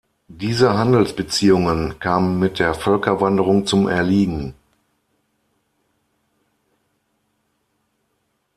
Diese Handelsbeziehungen kamen mit der Völkerwanderung zum Erliegen.